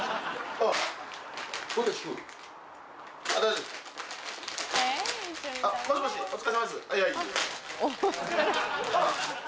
あっもしもしお疲れさまです。